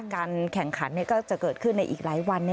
การแข่งขันก็จะเกิดขึ้นในอีกหลายวัน